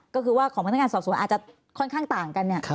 ก็คือว่าของพนักงานสอบสวนอาจจะค่อนข้างต่างกันเนี่ย